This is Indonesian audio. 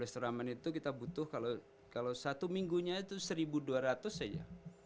turnamen itu kita butuh kalau satu minggunya itu seribu dua ratus saja